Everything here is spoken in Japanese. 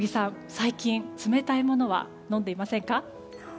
最近、冷たいものは飲んでいませんか？